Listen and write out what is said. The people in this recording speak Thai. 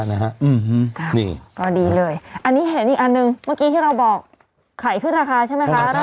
นี่ก็ดีเลยอันนี้เห็นอีกอันหนึ่งเมื่อกี้ที่เราบอกไข่ขึ้นราคาใช่ไหมคะ